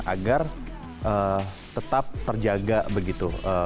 agar tetap terjaga begitu